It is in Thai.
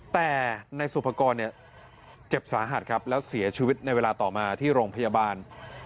แต่นายสุภกรเนี่ยเจ็บสาหัสครับแล้วเสียชีวิตในเวลาต่อมาที่โรงพยาบาล